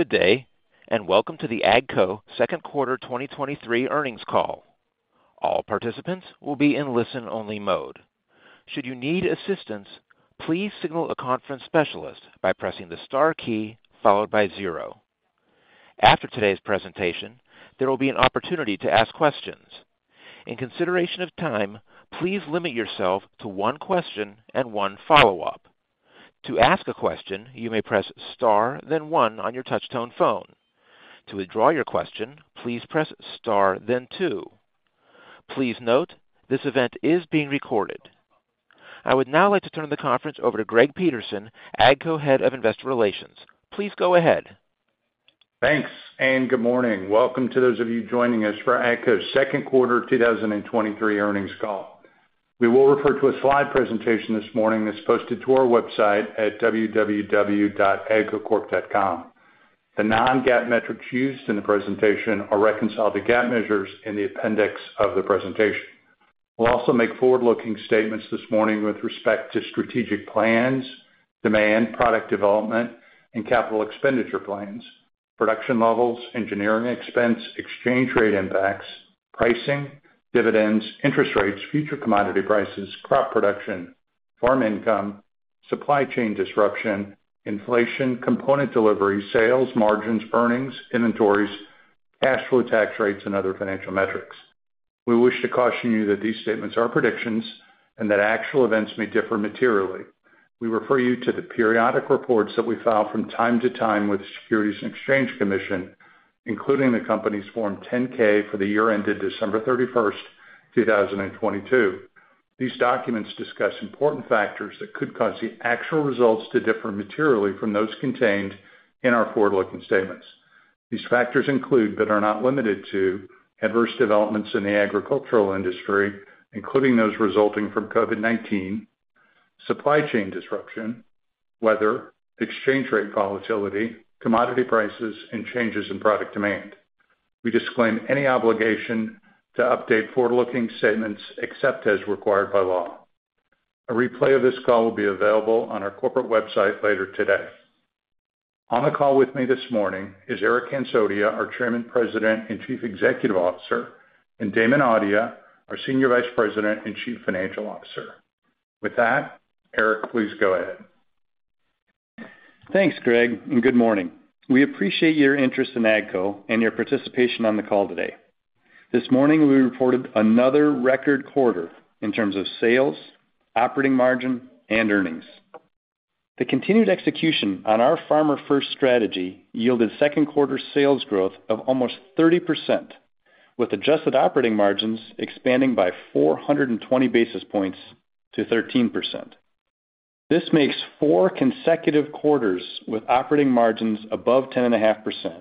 Good day, welcome to the AGCO Second Quarter 2023 Earnings Call. All participants will be in listen-only mode. Should you need assistance, please signal a conference specialist by pressing the star key followed by zero. After today's presentation, there will be an opportunity to ask questions. In consideration of time, please limit yourself to one question and one follow-up. To ask a question, you may press star, then one on your touchtone phone. To withdraw your question, please press star then two. Please note, this event is being recorded. I would now like to turn the conference over to Greg Peterson, AGCO Head of Investor Relations. Please go ahead. Thanks, and good morning. Welcome to those of you joining us for AGCO's Second Quarter 2023 Earnings Call. We will refer to a slide presentation this morning that's posted to our website at www.agcocorp.com. The non-GAAP metrics used in the presentation are reconciled to GAAP measures in the appendix of the presentation. We'll also make forward-looking statements this morning with respect to strategic plans, demand, product development, and capital expenditure plans, production levels, engineering expense, exchange rate impacts, pricing, dividends, interest rates, future commodity prices, crop production, farm income, supply chain disruption, inflation, component delivery, sales, margins, earnings, inventories, cash flow, tax rates, and other financial metrics. We wish to caution you that these statements are predictions and that actual events may differ materially. We refer you to the periodic reports that we file from time to time with the Securities and Exchange Commission, including the company's Form 10-K for the year ended December 31, 2022. These documents discuss important factors that could cause the actual results to differ materially from those contained in our forward-looking statements. These factors include, but are not limited to, adverse developments in the agricultural industry, including those resulting from COVID-19, supply chain disruption, weather, exchange rate volatility, commodity prices, and changes in product demand. We disclaim any obligation to update forward-looking statements except as required by law. A replay of this call will be available on our corporate website later today. On the call with me this morning is Eric Hansotia, our Chairman, President and Chief Executive Officer, and Damon Audia, our Senior Vice President and Chief Financial Officer. With that, Eric, please go ahead. Thanks, Greg. Good morning. We appreciate your interest in AGCO and your participation on the call today. This morning, we reported another record quarter in terms of sales, operating margin, and earnings. The continued execution on our Farmer-First strategy yielded second quarter sales growth of almost 30%, with adjusted operating margins expanding by 420 basis points to 13%. This makes four consecutive quarters with operating margins above 10.5%,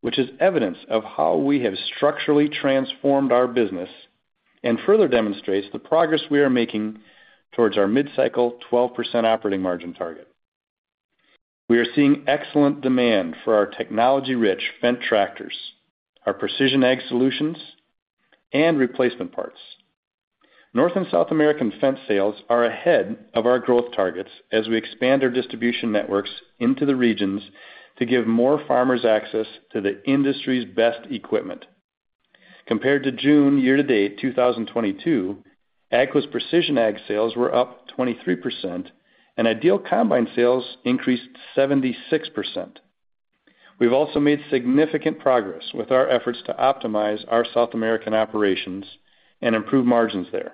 which is evidence of how we have structurally transformed our business and further demonstrates the progress we are making towards our mid-cycle 12% operating margin target. We are seeing excellent demand for our technology-rich Fendt tractors, our Precision Ag solutions, and replacement parts. North and South American Fendt sales are ahead of our growth targets as we expand our distribution networks into the regions to give more farmers access to the industry's best equipment. Compared to June year-to-date 2022, AGCO's Precision Ag sales were up 23%, and IDEAL combine sales increased 76%. We've also made significant progress with our efforts to optimize our South American operations and improve margins there.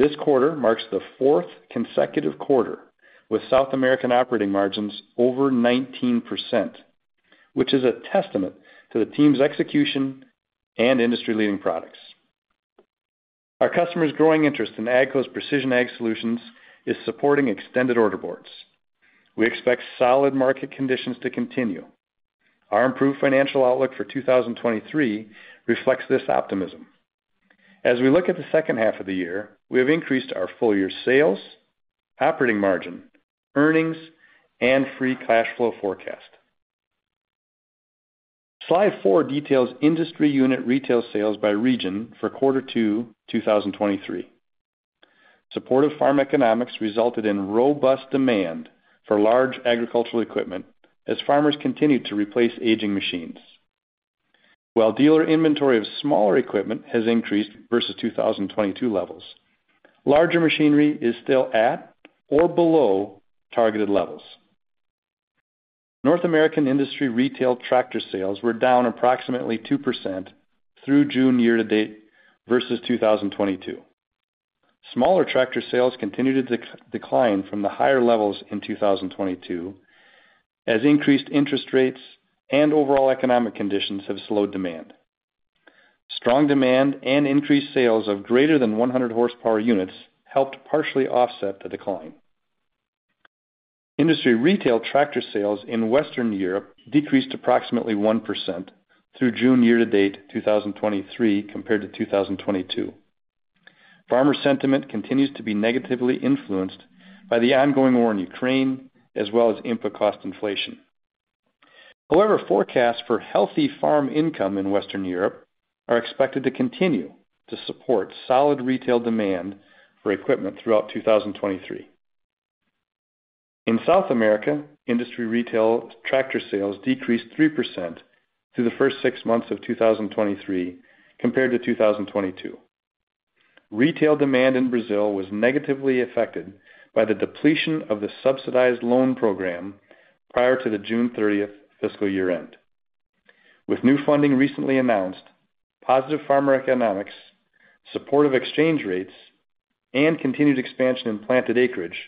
This quarter marks the fourth consecutive quarter, with South American operating margins over 19%, which is a testament to the team's execution and industry-leading products. Our customers' growing interest in AGCO's Precision Ag solutions is supporting extended order boards. We expect solid market conditions to continue. Our improved financial outlook for 2023 reflects this optimism. As we look at the second half of the year, we have increased our full-year sales, operating margin, earnings, and free cash flow forecast. Slide 4 details industry unit retail sales by region for quarter two 2023. Supportive farm economics resulted in robust demand for large agricultural equipment as farmers continued to replace aging machines. While dealer inventory of smaller equipment has increased versus 2022 levels, larger machinery is still at or below targeted levels. North American industry retail tractor sales were down approximately 2% through June year-to-date versus 2022. Smaller tractor sales continued to decline from the higher levels in 2022, as increased interest rates and overall economic conditions have slowed demand. Strong demand and increased sales of greater than 100 horsepower units helped partially offset the decline. Industry retail tractor sales in Western Europe decreased approximately 1% through June year-to-date 2023 compared to 2022. Farmer sentiment continues to be negatively influenced by the ongoing war in Ukraine, as well as input cost inflation. However, forecasts for healthy farm income in Western Europe are expected to continue to support solid retail demand for equipment throughout 2023. In South America, industry retail tractor sales decreased 3% through the first six months of 2023 compared to 2022. Retail demand in Brazil was negatively affected by the depletion of the subsidized loan program prior to the June 30th fiscal year-end. With new funding recently announced, positive farmer economics, supportive exchange rates, and continued expansion in planted acreage,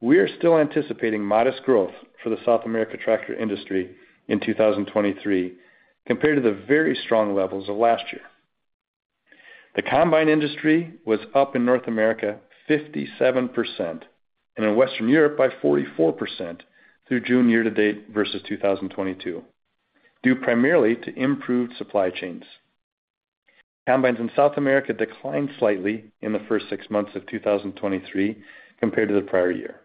we are still anticipating modest growth for the South America tractor industry in 2023 compared to the very strong levels of last year. The combine industry was up in North America 57% and in Western Europe by 44% through June year-to-date versus 2022, due primarily to improved supply chains. Combines in South America declined slightly in the first 6 months of 2023 compared to the prior year.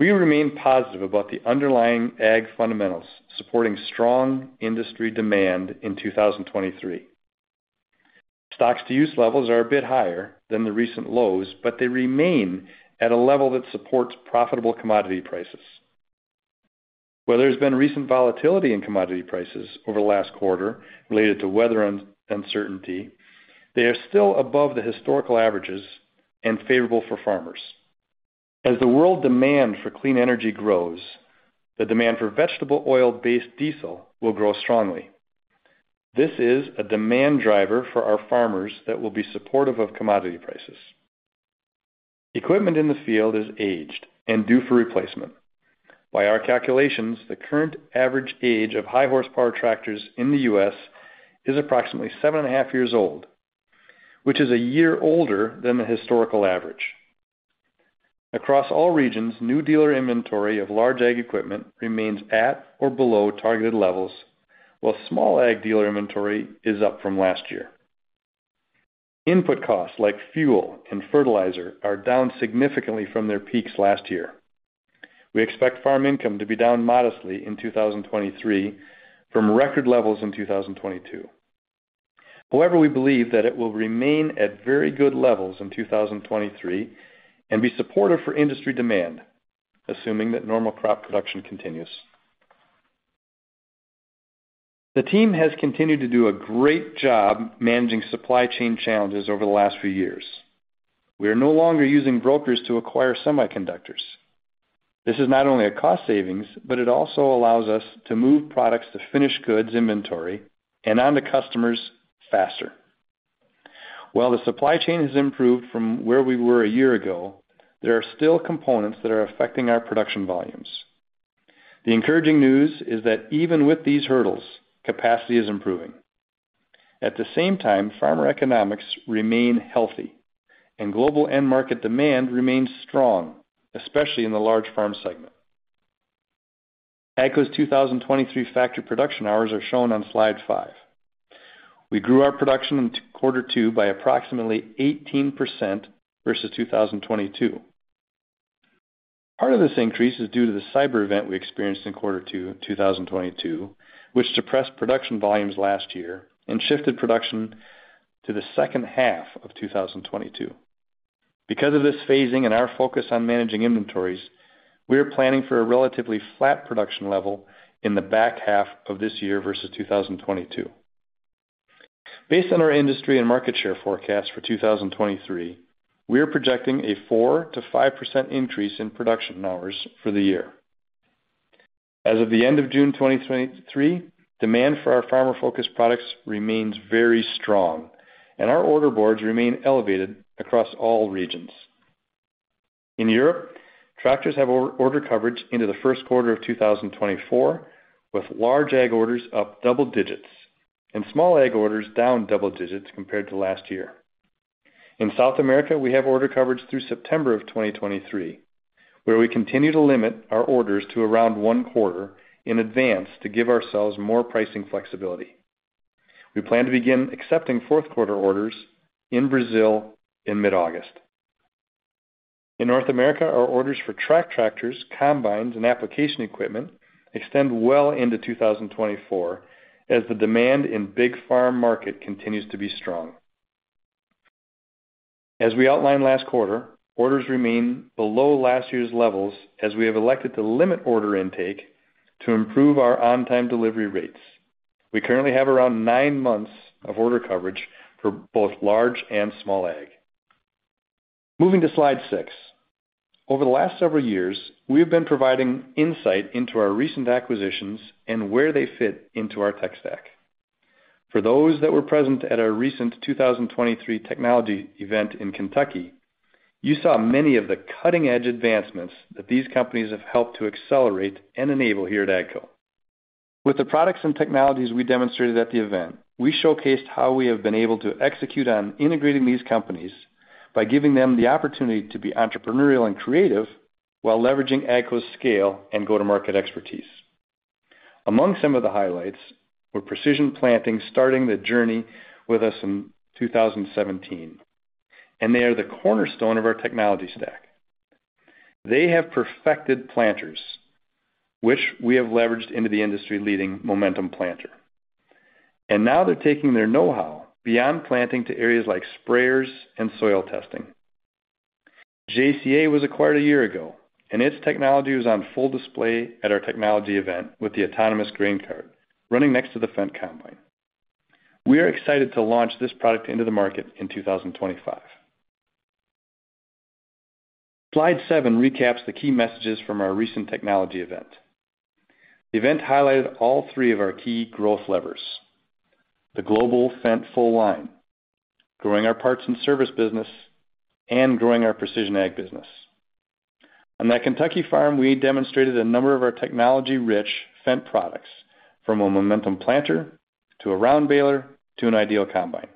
We remain positive about the underlying Ag fundamentals, supporting strong industry demand in 2023. Stocks to use levels are a bit higher than the recent lows, but they remain at a level that supports profitable commodity prices. Where there's been recent volatility in commodity prices over the last quarter related to weather uncertainty, they are still above the historical averages and favorable for farmers. As the world demand for clean energy grows, the demand for vegetable oil-based diesel will grow strongly. This is a demand driver for our farmers that will be supportive of commodity prices. Equipment in the field is aged and due for replacement. By our calculations, the current average age of high horsepower tractors in the U.S. is approximately seven and a half years old, which is one year older than the historical average. Across all regions, new dealer inventory of large Ag equipment remains at or below targeted levels, while small Ag dealer inventory is up from last year. Input costs, like fuel and fertilizer, are down significantly from their peaks last year. We expect farm income to be down modestly in 2023 from record levels in 2022. However, we believe that it will remain at very good levels in 2023 and be supportive for industry demand, assuming that normal crop production continues. The team has continued to do a great job managing supply chain challenges over the last few years. We are no longer using brokers to acquire semiconductors. This is not only a cost savings, but it also allows us to move products to finished goods inventory and on to customers faster. While the supply chain has improved from where we were a year ago, there are still components that are affecting our production volumes. The encouraging news is that even with these hurdles, capacity is improving. At the same time, farmer economics remain healthy, and global end market demand remains strong, especially in the large farm segment. AGCO's 2023 factory production hours are shown on slide 5. We grew our production in Q2 by approximately 18% versus 2022. Part of this increase is due to the cyber event we experienced in Q2 2022, which suppressed production volumes last year and shifted production to the second half of 2022. Because of this phasing and our focus on managing inventories, we are planning for a relatively flat production level in the back half of this year versus 2022. Based on our industry and market share forecast for 2023, we are projecting a 4%-5% increase in production hours for the year. As of the end of June 2023, demand for our farmer-focused products remains very strong, and our order boards remain elevated across all regions. In Europe, tractors have order coverage into the first quarter of 2024, with large Ag orders up double digits and small Ag orders down double digits compared to last year. In South America, we have order coverage through September 2023, where we continue to limit our orders to around one quarter in advance to give ourselves more pricing flexibility. We plan to begin accepting fourth quarter orders in Brazil in mid-August. In North America, our orders for track tractors, combines, and application equipment extend well into 2024, as the demand in big farm market continues to be strong. As we outlined last quarter, orders remain below last year's levels, as we have elected to limit order intake to improve our on-time delivery rates. We currently have around nine months of order coverage for both large and small ag. Moving to slide 6. Over the last several years, we have been providing insight into our recent acquisitions and where they fit into our tech stack. For those that were present at our recent 2023 technology event in Kentucky, you saw many of the cutting-edge advancements that these companies have helped to accelerate and enable here at AGCO. With the products and technologies we demonstrated at the event, we showcased how we have been able to execute on integrating these companies by giving them the opportunity to be entrepreneurial and creative, while leveraging AGCO's scale and go-to-market expertise. Among some of the highlights were Precision Planting, starting the journey with us in 2017. They are the cornerstone of our technology stack. They have perfected planters, which we have leveraged into the industry-leading Momentum planter. Now they're taking their know-how beyond planting to areas like sprayers and soil testing. JCA was acquired a year ago, and its technology was on full display at our technology event with the autonomous grain cart running next to the Fendt combine. We are excited to launch this product into the market in 2025. Slide 7 recaps the key messages from our recent technology event. The event highlighted all 3 of our key growth levers: the global Fendt full line, growing our Parts and Service business, and growing our Precision Ag business. On that Kentucky farm, we demonstrated a number of our technology-rich Fendt products, from a momentum planter, to a round baler, to an IDEAL combine.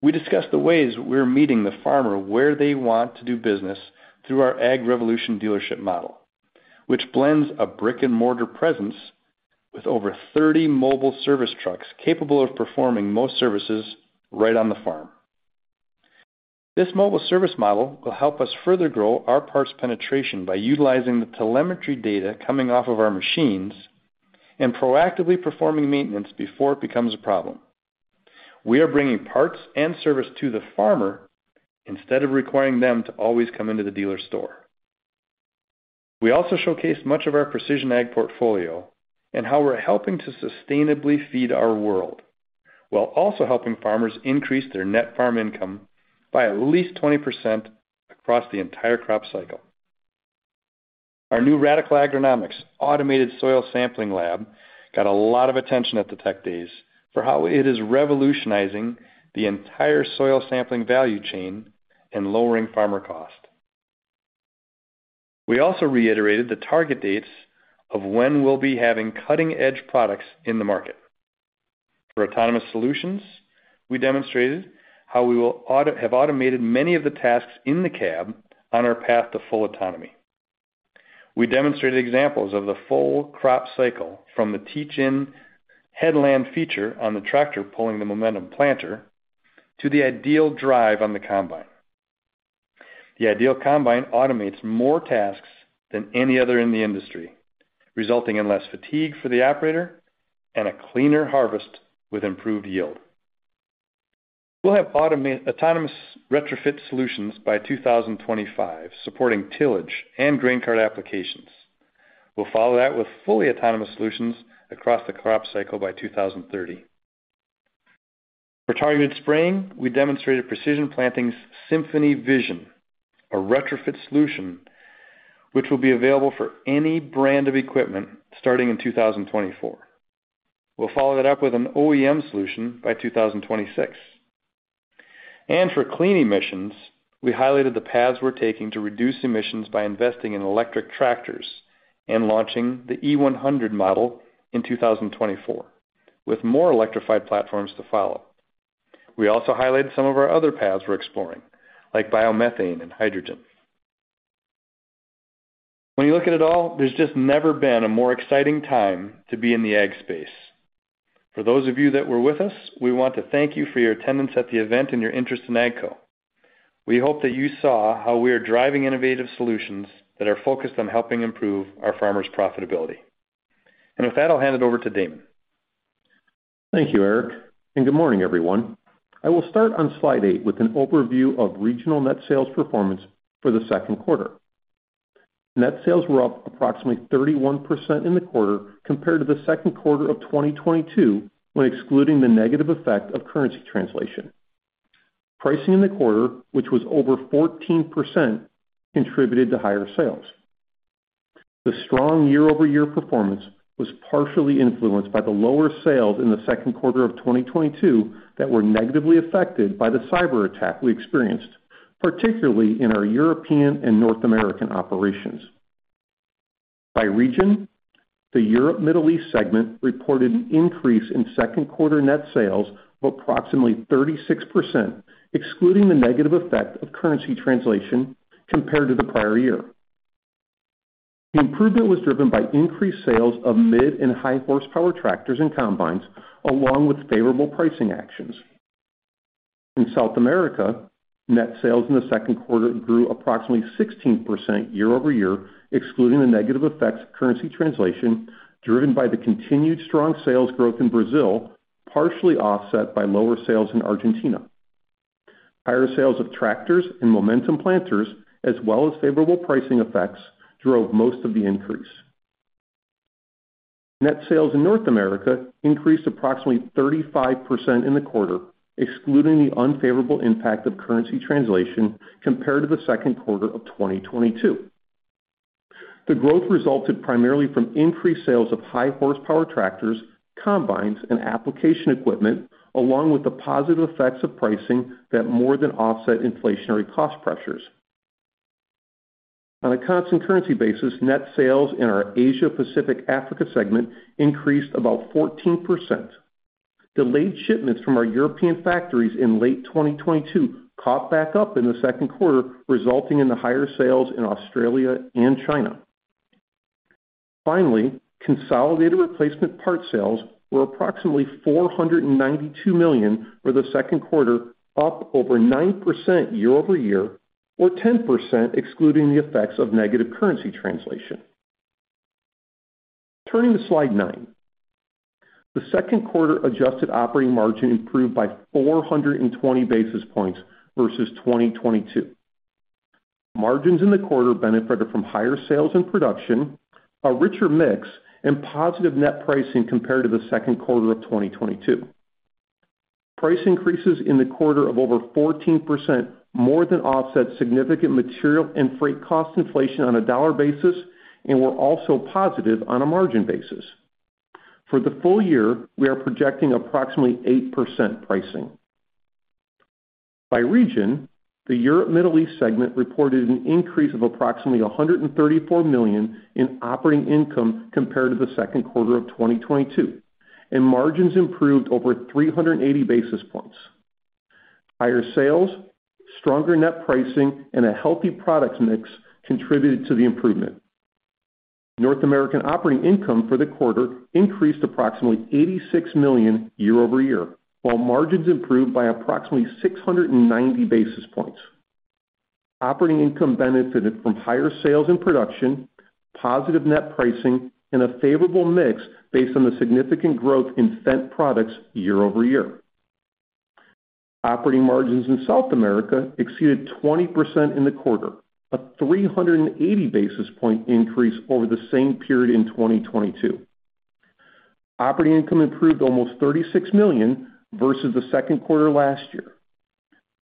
We discussed the ways we're meeting the farmer where they want to do business through our Ag Revolution dealership model, which blends a brick-and-mortar presence with over 30 mobile service trucks capable of performing most services right on the farm. This mobile service model will help us further grow our parts penetration by utilizing the telemetry data coming off of our machines and proactively performing maintenance before it becomes a problem. We are bringing parts and service to the farmer instead of requiring them to always come into the dealer store. We also showcased much of our Precision Ag portfolio and how we're helping to sustainably feed our world, while also helping farmers increase their net farm income by at least 20% across the entire crop cycle. Our new Radicle Agronomics automated soil sampling lab got a lot of attention at the Tech Days for how it is revolutionizing the entire soil sampling value chain and lowering farmer cost. We also reiterated the target dates of when we'll be having cutting-edge products in the market. For autonomous solutions, we demonstrated how we will have automated many of the tasks in the cab on our path to full autonomy. We demonstrated examples of the full crop cycle from the teach-in headland feature on the tractor pulling the momentum planter, to the IDEAL drive on the combine. The IDEAL combine automates more tasks than any other in the industry, resulting in less fatigue for the operator and a cleaner harvest with improved yield. We'll have autonomous retrofit solutions by 2025, supporting tillage and grain cart applications. We'll follow that with fully autonomous solutions across the crop cycle by 2030. For targeted spraying, we demonstrated Precision Planting's Symphony Vision, a retrofit solution which will be available for any brand of equipment starting in 2024. We'll follow that up with an OEM solution by 2026. For clean emissions, we highlighted the paths we're taking to reduce emissions by investing in electric tractors and launching the E100 model in 2024, with more electrified platforms to follow. We also highlighted some of our other paths we're exploring, like biomethane and hydrogen. When you look at it all, there's just never been a more exciting time to be in the Ag space. For those of you that were with us, we want to thank you for your attendance at the event and your interest in AGCO. We hope that you saw how we are driving innovative solutions that are focused on helping improve our farmers' profitability. With that, I'll hand it over to Damon. Thank you, Eric. Good morning, everyone. I will start on slide 8 with an overview of regional net sales performance for the second quarter. Net sales were up approximately 31% in the quarter compared to the second quarter of 2022, when excluding the negative effect of currency translation. Pricing in the quarter, which was over 14%, contributed to higher sales. The strong year-over-year performance was partially influenced by the lower sales in the second quarter of 2022 that were negatively affected by the cyberattack we experienced, particularly in our European and North American operations. By region, the Europe Middle East segment reported an increase in second quarter net sales of approximately 36%, excluding the negative effect of currency translation compared to the prior year. The improvement was driven by increased sales of mid and high horsepower tractors and combines, along with favorable pricing actions. In South America, net sales in the second quarter grew approximately 16% year-over-year, excluding the negative effects of currency translation, driven by the continued strong sales growth in Brazil, partially offset by lower sales in Argentina. Higher sales of tractors and momentum planters, as well as favorable pricing effects, drove most of the increase. Net sales in North America increased approximately 35% in the quarter, excluding the unfavorable impact of currency translation compared to the second quarter of 2022. The growth resulted primarily from increased sales of high horsepower tractors, combines, and application equipment, along with the positive effects of pricing that more than offset inflationary cost pressures. On a constant currency basis, net sales in our Asia Pacific Africa segment increased about 14%. Delayed shipments from our European factories in late 2022 caught back up in the second quarter, resulting in the higher sales in Australia and China. Finally, consolidated replacement parts sales were approximately $492 million for the second quarter, up over 9% year-over-year, or 10% excluding the effects of negative currency translation. Turning to Slide 9. The second quarter adjusted operating margin improved by 420 basis points versus 2022. Margins in the quarter benefited from higher sales and production, a richer mix, and positive net pricing compared to the second quarter of 2022. Price increases in the quarter of over 14% more than offset significant material and freight cost inflation on a dollar basis, and were also positive on a margin basis. For the full year, we are projecting approximately 8% pricing. By region, the Europe, Middle East segment reported an increase of approximately $134 million in operating income compared to the second quarter of 2022, and margins improved over 380 basis points. Higher sales, stronger net pricing, and a healthy product mix contributed to the improvement. North American operating income for the quarter increased approximately $86 million year-over-year, while margins improved by approximately 690 basis points. Operating income benefited from higher sales and production, positive net pricing, and a favorable mix based on the significant growth in Fendt products year-over-year. Operating margins in South America exceeded 20% in the quarter, a 380 basis point increase over the same period in 2022. Operating income improved almost $36 million versus the second quarter last year.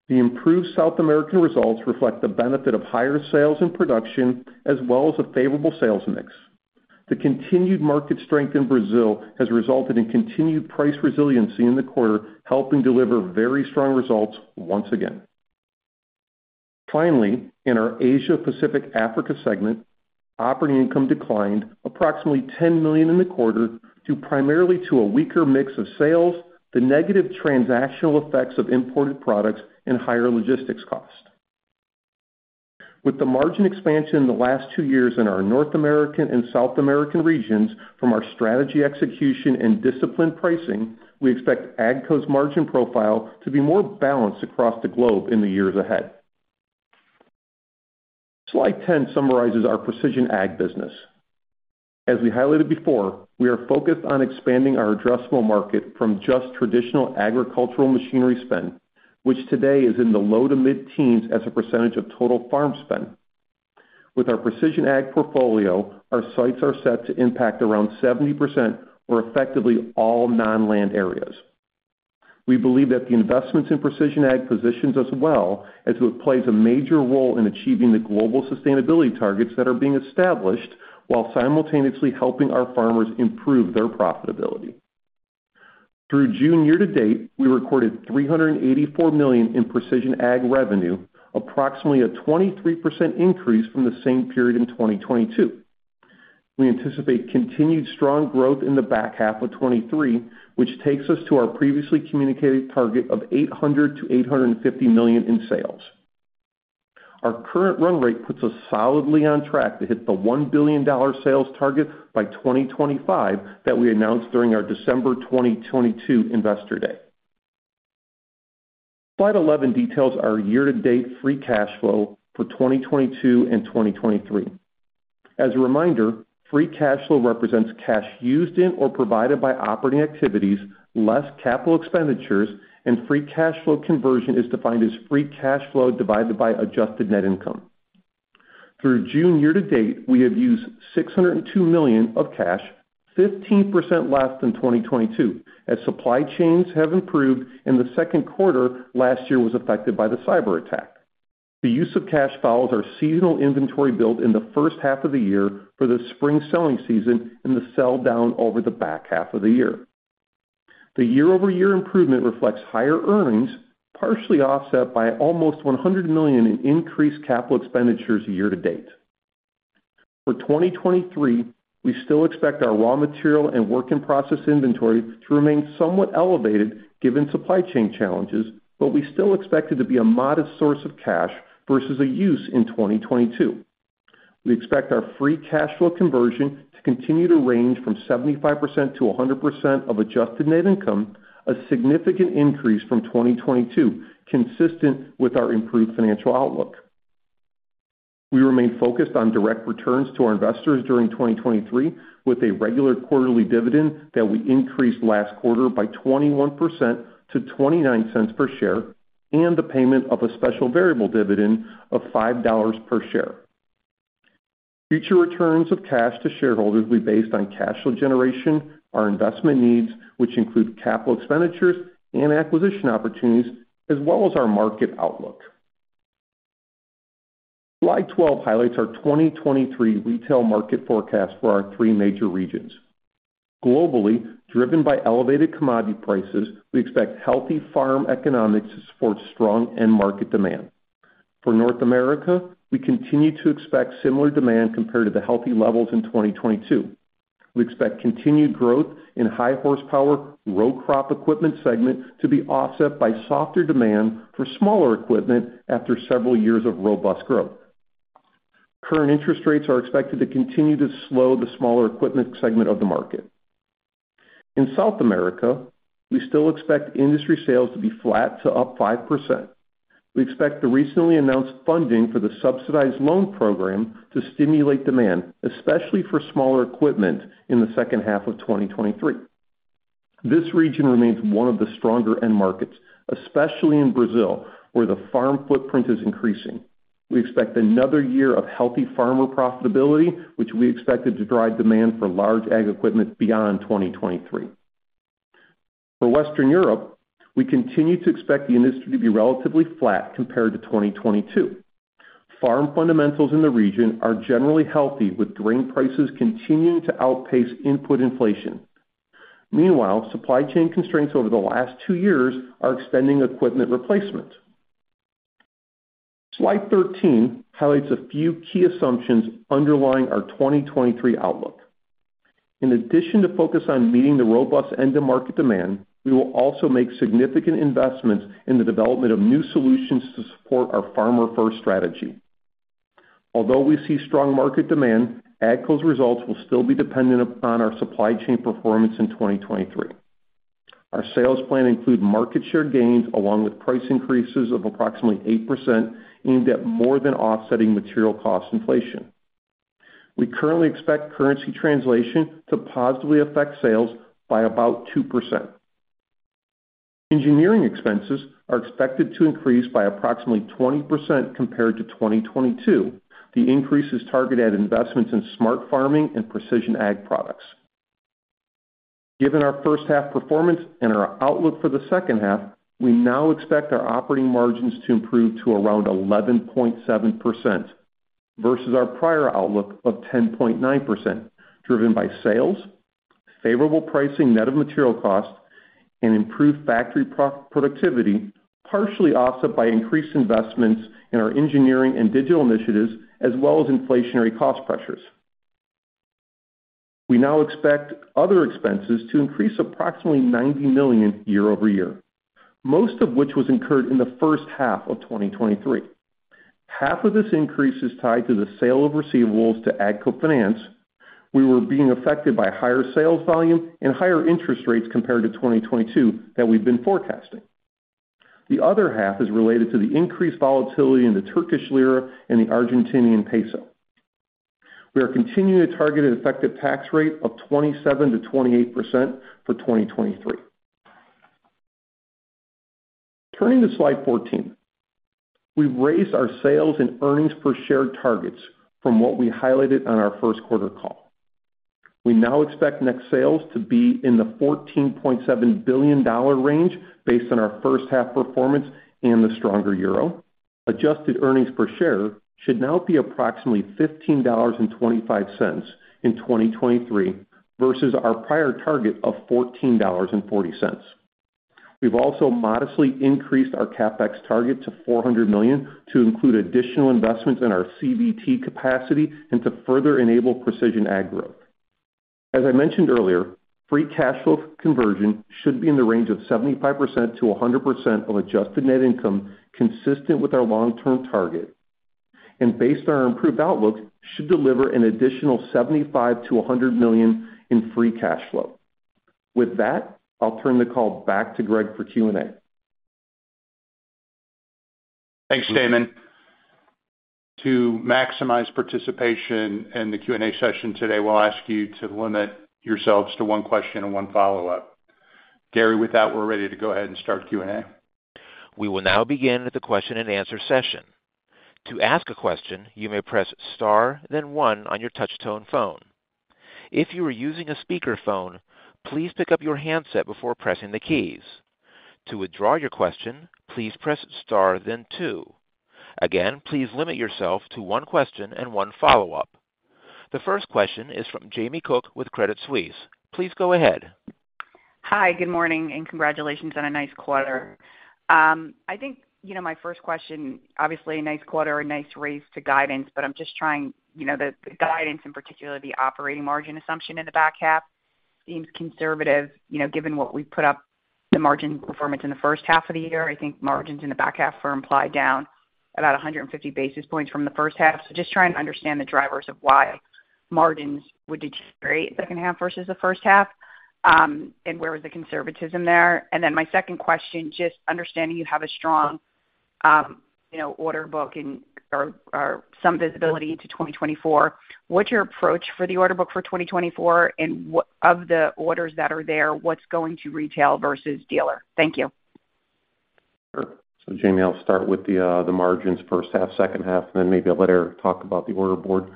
The improved South American results reflect the benefit of higher sales and production, as well as a favorable sales mix. The continued market strength in Brazil has resulted in continued price resiliency in the quarter, helping deliver very strong results once again. Finally, in our Asia Pacific Africa segment, operating income declined approximately $10 million in the quarter, due primarily to a weaker mix of sales, the negative transactional effects of imported products, and higher logistics costs. With the margin expansion in the last two years in our North American and South American regions from our strategy, execution, and disciplined pricing, we expect AGCO's margin profile to be more balanced across the globe in the years ahead. Slide 10 summarizes our Precision Ag business. As we highlighted before, we are focused on expanding our addressable market from just traditional agricultural machinery spend, which today is in the low to mid-teens as a percentage of total farm spend. With our Precision Ag portfolio, our sights are set to impact around 70% or effectively all non-land areas. We believe that the investments in Precision Ag positions us well as it plays a major role in achieving the global sustainability targets that are being established, while simultaneously helping our farmers improve their profitability. Through June year-to-date, we recorded $384 million in Precision Ag revenue, approximately a 23% increase from the same period in 2022. We anticipate continued strong growth in the back half of 2023, which takes us to our previously communicated target of $800 million-$850 million in sales. Our current run rate puts us solidly on track to hit the $1 billion sales target by 2025 that we announced during our December 2022 Investor Day. Slide 11 details our year-to-date free cash flow for 2022 and 2023. As a reminder, free cash flow represents cash used in or provided by operating activities, less capital expenditures, and free cash flow conversion is defined as free cash flow divided by adjusted net income. Through June year-to-date, we have used $602 million of cash, 15% less than 2022, as supply chains have improved and the second quarter last year was affected by the cyberattack. The use of cash follows our seasonal inventory build in the first half of the year for the spring selling season and the sell down over the back half of the year. The year-over-year improvement reflects higher earnings, partially offset by almost $100 million in increased capital expenditures year-to-date. For 2023, we still expect our raw material and work-in-process inventory to remain somewhat elevated, given supply chain challenges, but we still expect it to be a modest source of cash versus a use in 2022. We expect our free cash flow conversion to continue to range from 75%-100% of adjusted net income, a significant increase from 2022, consistent with our improved financial outlook. We remain focused on direct returns to our investors during 2023, with a regular quarterly dividend that we increased last quarter by 21% to $0.29 per share, and the payment of a special variable dividend of $5 per share. Future returns of cash to shareholders will be based on cash flow generation, our investment needs, which include capital expenditures and acquisition opportunities, as well as our market outlook. Slide 12 highlights our 2023 retail market forecast for our three major regions. Globally, driven by elevated commodity prices, we expect healthy farm economics to support strong end market demand. For North America, we continue to expect similar demand compared to the healthy levels in 2022. We expect continued growth in high horsepower row crop equipment segment to be offset by softer demand for smaller equipment after several years of robust growth. Current interest rates are expected to continue to slow the smaller equipment segment of the market. In South America, we still expect industry sales to be flat to up 5%. We expect the recently announced funding for the subsidized loan program to stimulate demand, especially for smaller equipment in the second half of 2023. This region remains one of the stronger end markets, especially in Brazil, where the farm footprint is increasing. We expect another year of healthy farmer profitability, which we expected to drive demand for large Ag equipment beyond 2023. For Western Europe, we continue to expect the industry to be relatively flat compared to 2022. Farm fundamentals in the region are generally healthy, with grain prices continuing to outpace input inflation. Meanwhile, supply chain constraints over the last 2 years are extending equipment replacement. Slide 13 highlights a few key assumptions underlying our 2023 outlook. In addition to focus on meeting the robust end of market demand, we will also make significant investments in the development of new solutions to support our Farmer-First strategy. Although we see strong market demand, AGCO's results will still be dependent upon our supply chain performance in 2023. Our sales plan include market share gains, along with price increases of approximately 8%, aimed at more than offsetting material cost inflation. We currently expect currency translation to positively affect sales by about 2%. Engineering expenses are expected to increase by approximately 20% compared to 2022. The increase is targeted at investments in smart farming and Precision Ag products. Given our first half performance and our outlook for the second half, we now expect our operating margins to improve to around 11.7% versus our prior outlook of 10.9%, driven by sales, favorable pricing net of material cost, and improved factory pro-productivity, partially offset by increased investments in our engineering and digital initiatives, as well as inflationary cost pressures. We now expect other expenses to increase approximately $90 million year-over-year, most of which was incurred in the first half of 2023. Half of this increase is tied to the sale of receivables to AGCO Finance. We were being affected by higher sales volume and higher interest rates compared to 2022 that we've been forecasting. The other half is related to the increased volatility in the Turkish lira and the Argentinian peso. We are continuing to target an effective tax rate of 27%-28% for 2023. Turning to slide 14. We've raised our sales and earnings per share targets from what we highlighted on our first quarter call. We now expect next sales to be in the $14.7 billion range based on our first half performance and the stronger euro. Adjusted earnings per share should now be approximately $15.25 in 2023 versus our prior target of $14.40. We've also modestly increased our CapEx target to $400 million to include additional investments in our CVT capacity and to further enable Precision Ag growth. As I mentioned earlier, free cash flow conversion should be in the range of 75%-100% of adjusted net income, consistent with our long-term target, and based on our improved outlook, should deliver an additional $75 million-$100 million in free cash flow. With that, I'll turn the call back to Greg for Q&A. Thanks, Damon. To maximize participation in the Q&A session today, we'll ask you to limit yourselves to one question and one follow-up. Gary, with that, we're ready to go ahead and start Q&A. We will now begin the question-and-answer session. To ask a question, you may press Star, then one on your touch tone phone. If you are using a speakerphone, please pick up your handset before pressing the keys. To withdraw your question, please press Star then two. Again, please limit yourself to one question and one follow-up. The first question is from Jamie Cook with Credit Suisse. Please go ahead. Hi, good morning, and congratulations on a nice quarter. I think, you know, my first question, obviously, a nice quarter, a nice raise to guidance. I'm just trying, you know, the guidance, in particular, the operating margin assumption in the back half seems conservative. You know, given what we put up the margin performance in the first half of the year, I think margins in the back half are implied down about 150 basis points from the first half. Just trying to understand the drivers of why margins would deteriorate second half versus the first half, where is the conservatism there? My second question, just understanding you have a strong, you know, order book and/or, or some visibility to 2024. What's your approach for the order book for 2024, and of the orders that are there, what's going to retail versus dealer? Thank you. Sure. Jamie, I'll start with the margins first half, second half, and then maybe I'll let Eric talk about the order board.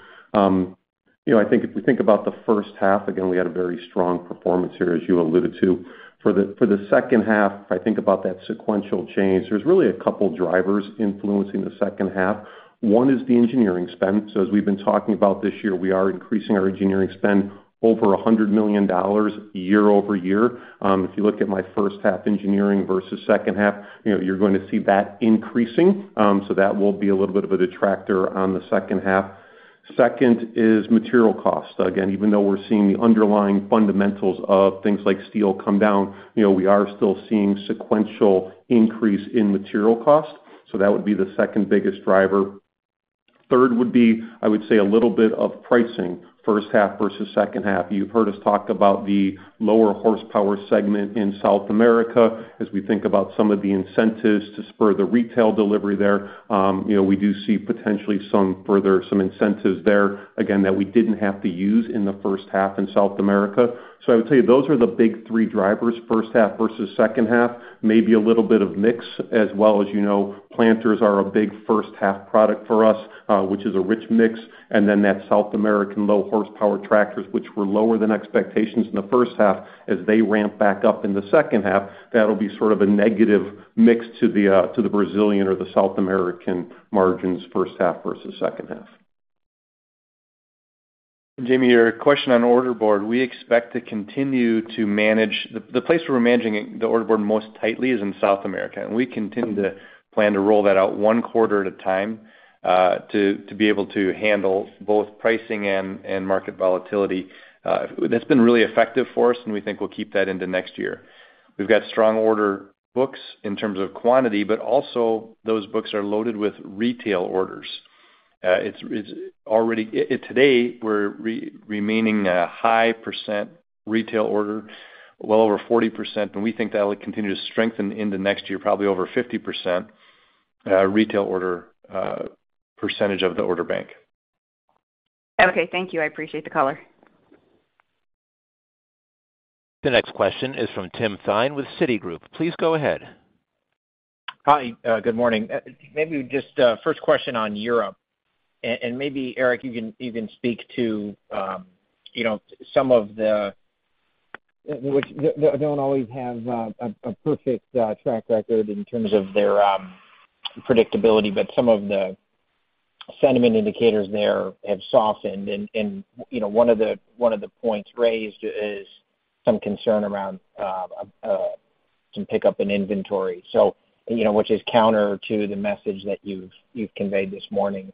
You know, I think if we think about the first half, again, we had a very strong performance here, as you alluded to. For the second half, if I think about that sequential change, there's really a couple of drivers influencing the second half. One is the engineering spend. As we've been talking about this year, we are increasing our engineering spend over $100 million year-over-year. If you look at my first half engineering versus second half, you know, you're going to see that increasing. That will be a little bit of a detractor on the second half. Second is material cost. Even though we're seeing the underlying fundamentals of things like steel come down, you know, we are still seeing sequential increase in material cost. That would be the second biggest driver. Third would be, I would say, a little bit of pricing, first half versus second half. You've heard us talk about the lower horsepower segment in South America as we think about some of the incentives to spur the retail delivery there. You know, we do see potentially some further, some incentives there, again, that we didn't have to use in the first half in South America. I would say those are the big three drivers, first half versus second half, maybe a little bit of mix as well. As you know, planters are a big first half product for us, which is a rich mix, and then that South American low horsepower tractors, which were lower than expectations in the first half. As they ramp back up in the second half, that'll be sort of a negative mix to the Brazilian or the South American margins, first half versus second half. Jamie, your question on order board. We expect to continue to manage the place where we're managing it, the order board most tightly is in South America, and we continue to plan to roll that out one quarter at a time to be able to handle both pricing and market volatility. That's been really effective for us, and we think we'll keep that into next year. We've got strong order books in terms of quantity, but also those books are loaded with retail orders. It's already today, we're remaining a high percent retail order, well over 40%, and we think that'll continue to strengthen into next year, probably over 50% retail order percentage of the order bank. Okay, thank you. I appreciate the call. The next question is from Tim Thein with Citigroup. Please go ahead. Hi, good morning. Maybe just, first question on Europe, and maybe, Eric, you can speak to, you know, some of the, which don't always have, a perfect track record in terms of their predictability, but some of the sentiment indicators there have softened. You know, one of the points raised is some concern around, some pickup in inventory. You know, which is counter to the message that you've conveyed this morning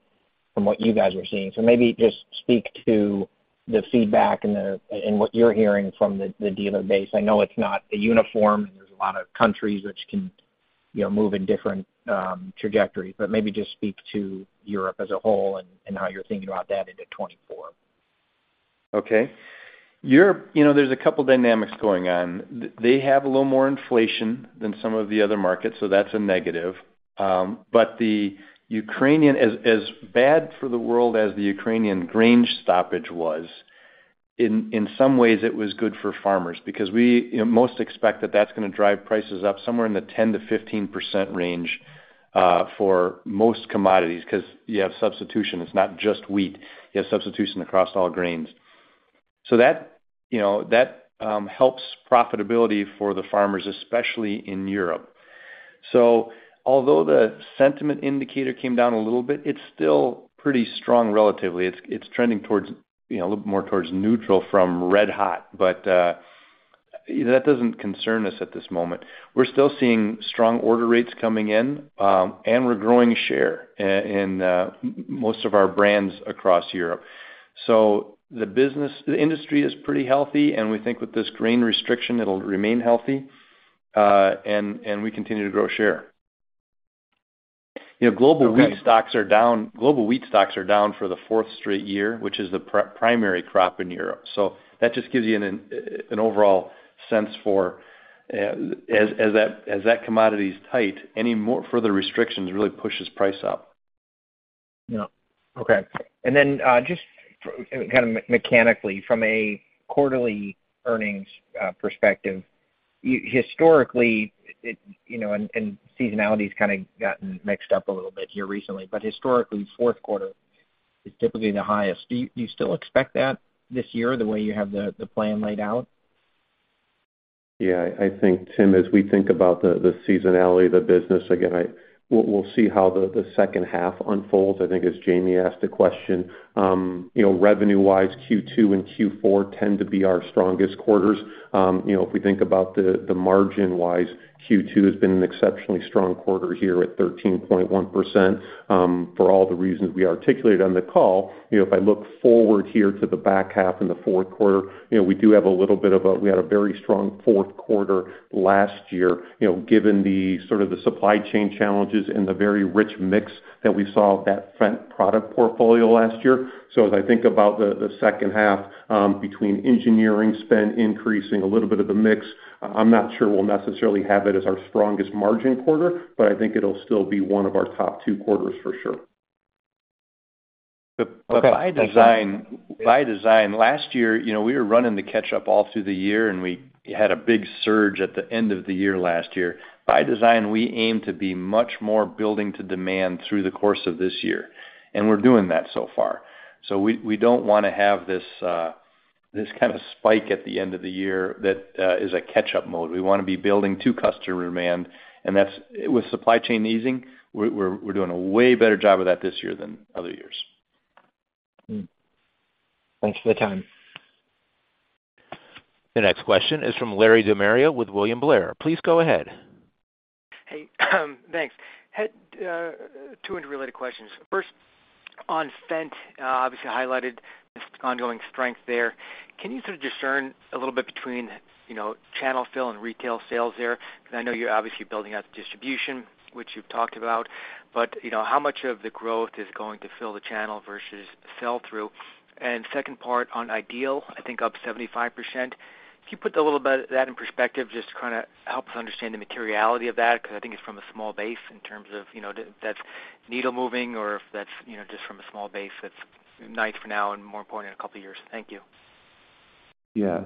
from what you guys are seeing. Maybe just speak to the feedback and what you're hearing from the dealer base. I know it's not a uniform. There's a lot of countries which can, you know, move in different trajectories, but maybe just speak to Europe as a whole and, and how you're thinking about that into 2024. Europe, you know, there's a couple dynamics going on. They have a little more inflation than some of the other markets, so that's a negative. The Ukrainian, as, as bad for the world as the Ukrainian grain stoppage was, in, in some ways it was good for farmers because we, you know, most expect that that's gonna drive prices up somewhere in the 10%-15% range for most commodities, 'cause you have substitution. It's not just wheat. You have substitution across all grains. That, you know, that helps profitability for the farmers, especially in Europe. Although the sentiment indicator came down a little bit, it's still pretty strong relatively. It's, it's trending towards, you know, a little more towards neutral from red hot. That doesn't concern us at this moment. We're still seeing strong order rates coming in, and we're growing share in most of our brands across Europe. The business, the industry is pretty healthy, and we think with this grain restriction, it'll remain healthy, and we continue to grow share. You know, global wheat stocks are down for the fourth straight year, which is the primary crop in Europe. That just gives you an overall sense for as that commodity is tight, any more further restrictions really pushes price up. Yeah. Okay. Mechanically, from a quarterly earnings perspective, you historically, it, you know, and seasonality has kind of gotten mixed up a little bit here recently, but historically, fourth quarter is typically the highest. Do you still expect that this year, the way you have the plan laid out? I think, Tim, as we think about the seasonality of the business, again, we'll see how the second half unfolds. I think as Jamie asked the question, you know, revenue-wise, Q2 and Q4 tend to be our strongest quarters. You know, if we think about the margin-wise, Q2 has been an exceptionally strong quarter here at 13.1%. For all the reasons we articulated on the call, you know, if I look forward here to the back half in the fourth quarter, you know, we do have a little bit of a we had a very strong fourth quarter last year, you know, given the sort of the supply chain challenges and the very rich mix that we saw of that front product portfolio last year. As I think about the second half, between engineering spend increasing a little bit of the mix, I'm not sure we'll necessarily have it as our strongest margin quarter, but I think it'll still be one of our top two quarters for sure. By design, last year, you know, we were running the catch-up all through the year, and we had a big surge at the end of the year last year. By design, we aim to be much more building to demand through the course of this year, and we're doing that so far. We don't wanna have this kind of spike at the end of the year that is a catch-up mode. We wanna be building to customer demand, and that's... With supply chain easing, we're doing a way better job of that this year than other years. Thanks for the time. The next question is from Larry De Maria with William Blair. Please go ahead. Hey, thanks. Had two interrelated questions. First, on Fendt, obviously highlighted this ongoing strength there. Can you sort of discern a little bit between, you know, channel fill and retail sales there? Because I know you're obviously building out the distribution, which you've talked about, but, you know, how much of the growth is going to fill the channel versus sell-through? Second part on Ideal, I think up 75%. Can you put a little bit of that in perspective, just to kind of help us understand the materiality of that? Because I think it's from a small base in terms of, you know, that's needle moving, or if that's, you know, just from a small base, that's nice for now and more important in a couple of years. Thank you. Yeah.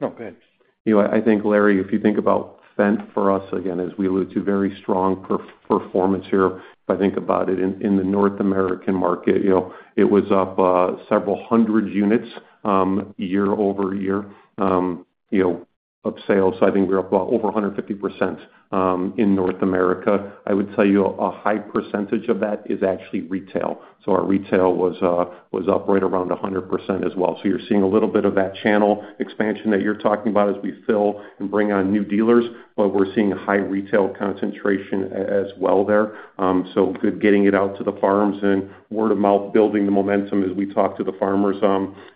No, go ahead. You know, I think, Larry, if you think about Fendt for us, again, as we allude to very strong performance here. If I think about it, in the North American market, you know, it was up several hundred units year-over-year of sales. I think we're up about over 150% in North America. I would tell you a high percentage of that is actually retail. Our retail was up right around 100% as well. You're seeing a little bit of that channel expansion that you're talking about as we fill and bring on new dealers, but we're seeing a high retail concentration as well there. Good getting it out to the farms and word of mouth, building the momentum as we talk to the farmers.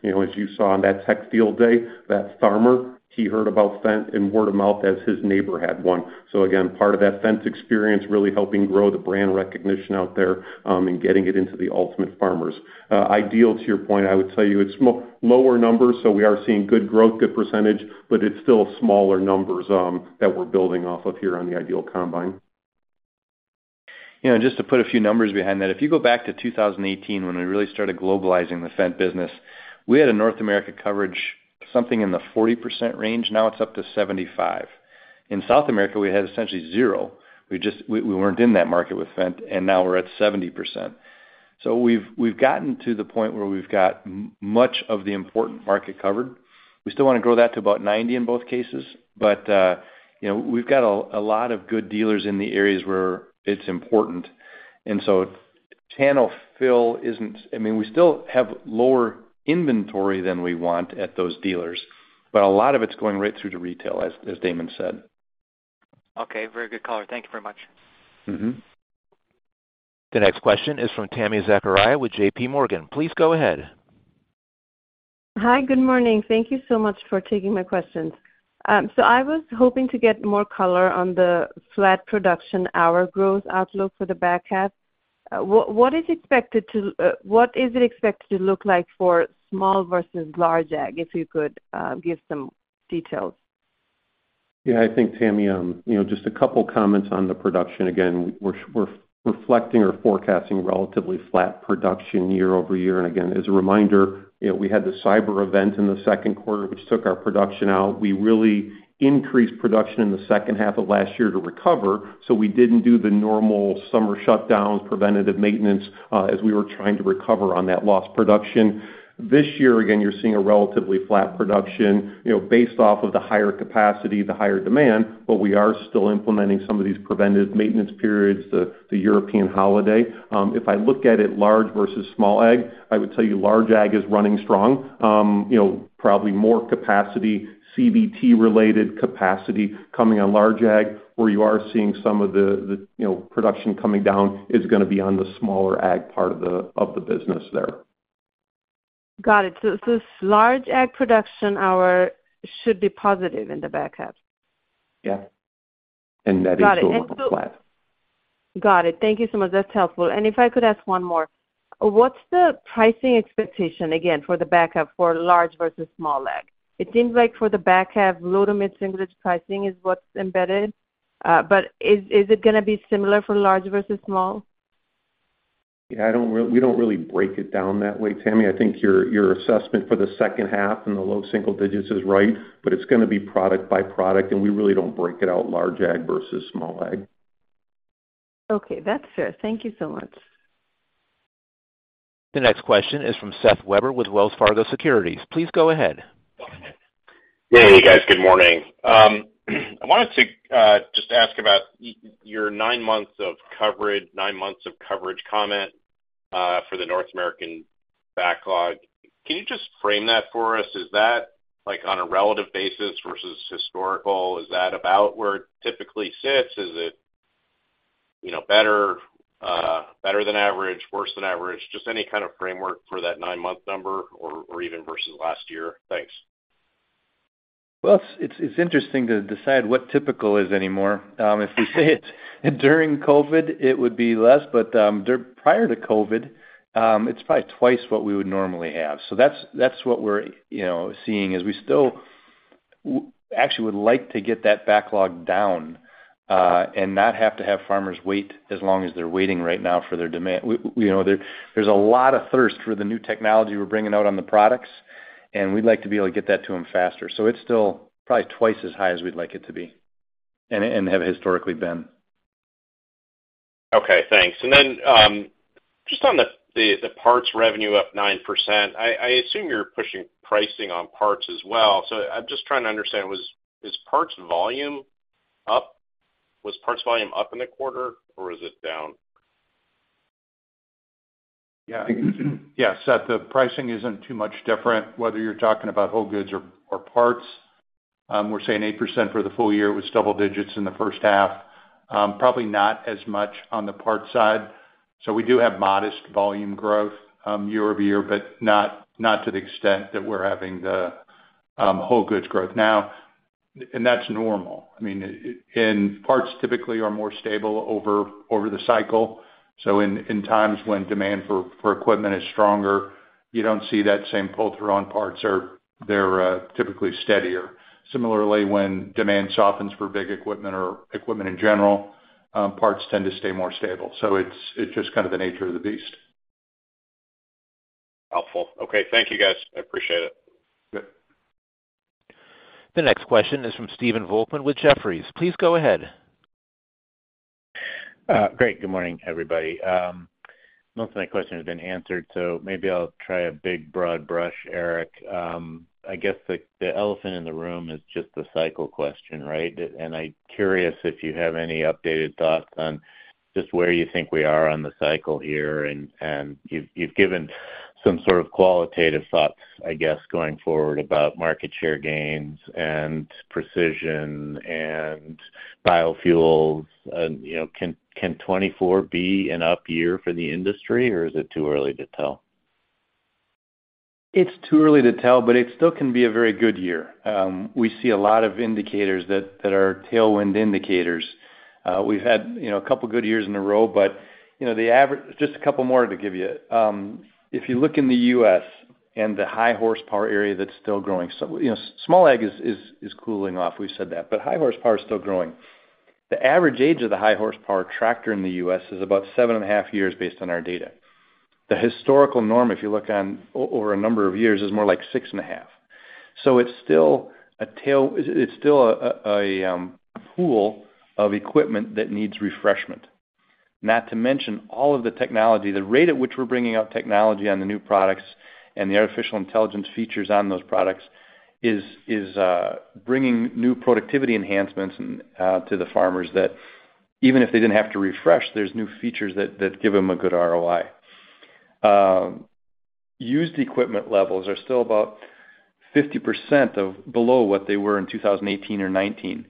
You know, as you saw in that tech field day, that farmer, he heard about Fendt and word of mouth as his neighbor had one. Again, part of that Fendt experience really helping grow the brand recognition out there, and getting it into the ultimate farmers. IDEAL, to your point, I would tell you, it's lower numbers, so we are seeing good growth, good percentage, but it's still smaller numbers that we're building off of here on the IDEAL combine. You know, just to put a few numbers behind that, if you go back to 2018, when we really started globalizing the Fendt business, we had a North America coverage, something in the 40% range. Now it's up to 75. In South America, we had essentially zero. We weren't in that market with Fendt, now we're at 70%. We've gotten to the point where we've got much of the important market covered. We still want to grow that to about 90 in both cases, you know, we've got a lot of good dealers in the areas where it's important. I mean, we still have lower inventory than we want at those dealers, but a lot of it's going right through to retail, as Damon said. Okay. Very good color. Thank you very much. Mm-hmm. The next question is from Tami Zakaria with JPMorgan. Please go ahead. Hi, good morning. Thank Thank you so much for taking my questions. I was hoping to get more color on the flat production, hour growth outlook for the back half. What is it expected to look like for small versus large ag, if you could give some details? Yeah, I think, Tami, you know, just 2 comments on the production. Again, we're reflecting or forecasting relatively flat production year-over-year. As a reminder, you know, we had the cyber event in the second quarter, which took our production out. We really increased production in the second half of last year to recover, so we didn't do the normal summer shutdowns, preventative maintenance, as we were trying to recover on that lost production. This year, again, you're seeing a relatively flat production, you know, based off of the higher capacity, the higher demand, but we are still implementing some of these preventative maintenance periods, the European holiday. If I look at it, large versus small ag, I would tell you large Ag is running strong. You know, probably more capacity, CBT-related capacity coming on large ag, where you are seeing some of the, you know, production coming down is gonna be on the smaller Ag part of the business there. Got it. large Ag production hour should be positive in the back half? Yeah. That is. Got it. Flat. Got it. Thank you so much. That's helpful. If I could ask one more: What's the pricing expectation again for the back half for large versus small AG? It seems like for the back half, low to mid-single pricing is what's embedded, is it gonna be similar for large versus small AG? Yeah, we don't really break it down that way, Tami. I think your assessment for the second half and the low single digits is right, but it's gonna be product by product, and we really don't break it out large Ag versus small Ag. Okay, that's fair. Thank you so much. The next question is from Seth Weber with Wells Fargo Securities. Please go ahead. Hey, guys. Good morning. I wanted to just ask about your nine months of coverage comment for the North American backlog. Can you just frame that for us? Is that, like, on a relative basis versus historical, is that about where it typically sits? Is it, you know, better than average, worse than average? Just any kind of framework for that nine-month number or even versus last year. Thanks. It's, it's interesting to decide what typical is anymore. If we say it's during COVID, it would be less, prior to COVID, it's probably twice what we would normally have. That's, that's what we're, you know, seeing, is we still actually would like to get that backlog down and not have to have farmers wait as long as they're waiting right now for their demand. We know there, there's a lot of thirst for the new technology we're bringing out on the products, we'd like to be able to get that to them faster. It's still probably twice as high as we'd like it to be and, and have historically been. Okay, thanks. Then just on the parts revenue up 9%, I assume you're pushing pricing on parts as well. I'm just trying to understand: Is parts volume up in the quarter, or is it down? Yeah, Seth, the pricing isn't too much different, whether you're talking about whole goods or parts. We're saying 8% for the full year. It was double digits in the first half. Probably not as much on the parts side. We do have modest volume growth year-over-year, but not to the extent that we're having the whole goods growth. That's normal. I mean, parts typically are more stable over the cycle. In times when demand for equipment is stronger, you don't see that same pull-through on parts, or they're typically steadier. Similarly, when demand softens for big equipment or equipment in general, parts tend to stay more stable. It's just kind of the nature of the beast. Helpful. Okay, thank you, guys. I appreciate it. Good. The next question is from Stephen Volkmann with Jefferies. Please go ahead. Great. Good morning, everybody. Most of my question has been answered, so maybe I'll try a big, broad brush, Eric. I guess the, the elephant in the room is just the cycle question, right? I'm curious if you have any updated thoughts on just where you think we are on the cycle here, and you've given some sort of qualitative thoughts, I guess, going forward about market share gains and precision and biofuels. You know, can 2024 be an up year for the industry, or is it too early to tell? It's too early to tell, but it still can be a very good year. We see a lot of indicators that, that are tailwind indicators. We've had, you know, a couple of good years in a row, but, you know, just a couple more to give you. If you look in the U.S. and the high horsepower area, that's still growing. You know, small Ag is cooling off, we've said that, but high horsepower is still growing. The average age of the high horsepower tractor in the U.S. is about seven and a half years based on our data. The historical norm, if you look over a number of years, is more like six and a half. It's still a pool of equipment that needs refreshment. Not to mention all of the technology. The rate at which we're bringing out technology on the new products and the artificial intelligence features on those products is bringing new productivity enhancements to the farmers, that even if they didn't have to refresh, there's new features that give them a good ROI. Used equipment levels are still about 50% of below what they were in 2018 or 2019.